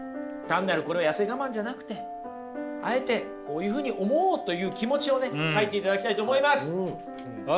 単なるこれは痩せ我慢じゃなくてあえてこういうふうに思おうという気持ちをね書いていただきたいと思います！